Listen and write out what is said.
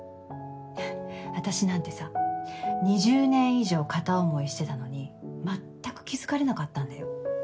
私なんてさ２０年以上片思いしてたのに全く気付かれなかったんだよ。